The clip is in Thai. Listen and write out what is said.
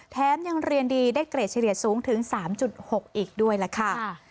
แถมยังเรียนดีได้เกรดเฉลี่ยสูงถึง๓๖อีกด้วยล่ะค่ะ